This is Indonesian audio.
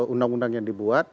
undang undang yang dibuat